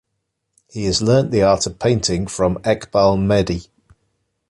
He has learnt the art of painting from Eqbal Mehdi.